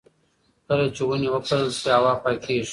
کله چې ونې وکرل شي، هوا پاکېږي.